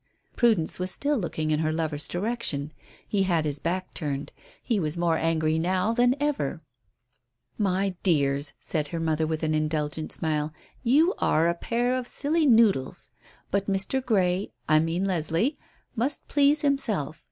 Prudence was still looking in her lover's direction. He had his back turned. He was more angry than ever now. "My dears," said her mother with an indulgent smile, "you are a pair of silly noodles. But Mr. Grey I mean Leslie must please himself.